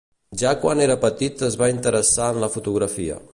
Ja quan era petit es va interessar en la fotografia.